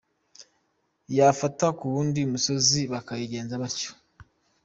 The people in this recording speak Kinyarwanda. Yafata ku w’undi musozi bakayigenza batyo.